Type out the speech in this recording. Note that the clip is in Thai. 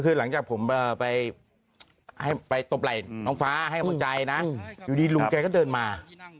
คือหลังจากผมไปตบไหล่น้องฟ้าให้กำลังใจนะอยู่ดีลุงแกก็เดินมา